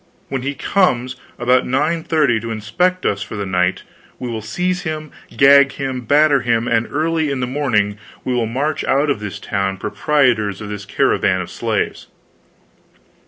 When he comes about nine thirty to inspect us for the night, we will seize him, gag him, batter him, and early in the morning we will march out of this town, proprietors of this caravan of slaves."